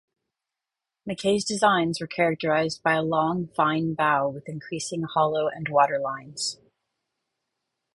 McKay's designs were characterized by a long fine bow with increasing hollow and waterlines.